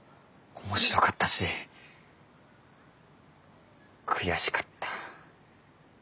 面白かったし悔しかった。